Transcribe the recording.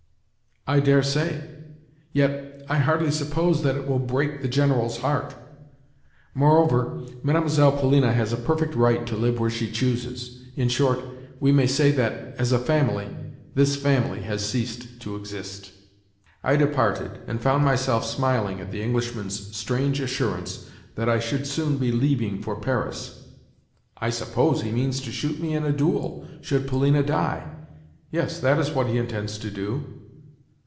"I daresay; yet, I hardly suppose that that will break the General's heart. Moreover, Mlle. Polina has a perfect right to live where she chooses. In short, we may say that, as a family, this family has ceased to exist." I departed, and found myself smiling at the Englishman's strange assurance that I should soon be leaving for Paris. "I suppose he means to shoot me in a duel, should Polina die. Yes, that is what he intends to do."